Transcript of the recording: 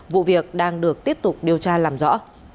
vụ việc đang được tiếp tục điều tra làm rõ